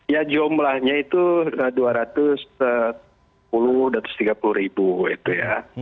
ya jumlahnya itu rp dua ratus tiga puluh itu ya